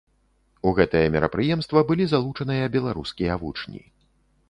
У гэтае мерапрыемства былі залучаныя беларускія вучні.